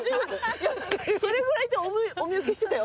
それぐらいとお見受けしてたよ